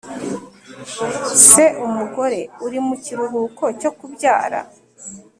s umugore uri mu kiruhuko cyo kubyara).